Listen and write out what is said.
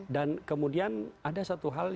dan kemudian ada satu hal